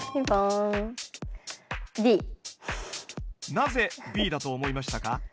なぜＢだと思いましたか？